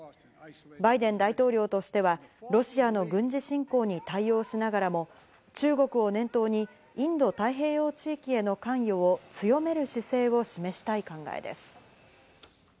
バイデン大統領としてはロシアの軍事侵攻に対応しながらも、中国を念頭にインド太平洋地域への関与を強める姿勢を示したい考えです。